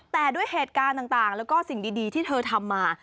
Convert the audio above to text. แต่ด้วยเหตุการณ์ต่างแล้วก็สิ่งดีที่เธอทำมา